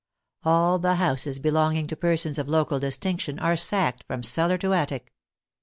All the houses be longing to persons of local distinction are sacked from cellar to attic.